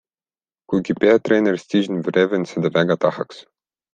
Kuigi peatreener Stijn Vreven seda väga tahaks.